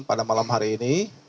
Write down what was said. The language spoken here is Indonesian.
pada malam hari ini